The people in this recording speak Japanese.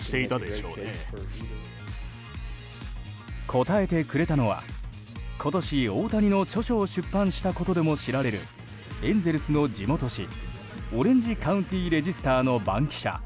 答えてくれたのは今年、大谷の著書を出版したことでも知られるエンゼルスの地元紙オレンジカウンティ・レジスターの番記者